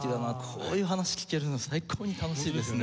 こういう話聞けるの最高に楽しいですね。